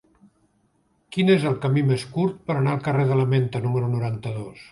Quin és el camí més curt per anar al carrer de la Menta número noranta-dos?